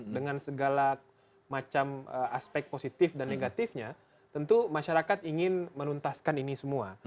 dengan segala macam aspek positif dan negatifnya tentu masyarakat ingin menuntaskan ini semua